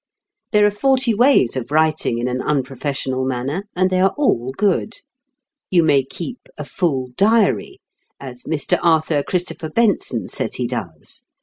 There are forty ways of writing in an unprofessional manner, and they are all good. You may keep "a full diary," as Mr. Arthur Christopher Benson says he does.